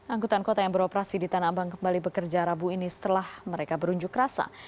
angkutan kota yang beroperasi di tanah abang kembali bekerja rabu ini setelah mereka berunjuk rasa